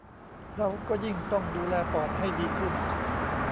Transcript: เราก็ยิ่งต้องดูแลปอดให้ดีขึ้น